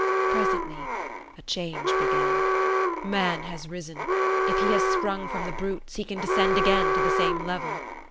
Presently a change began. Man has risen; if he has sprung from the brutes, he can descend again to the same level.